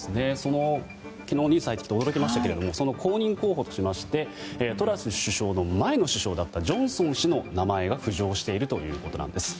昨日、ニュース入ってきて驚きましたけどその後任候補としましてトラス首相の前の首相だったジョンソン氏の名前が浮上しているということです。